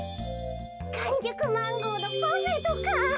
かんじゅくマンゴーのパフェとか。